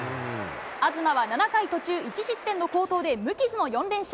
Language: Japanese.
東は７回途中、１失点の好投で無傷の４連勝。